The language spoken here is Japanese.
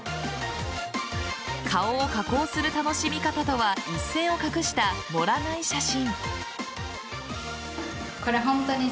顔を加工する楽しみ方とは一線を画した、盛らない写真。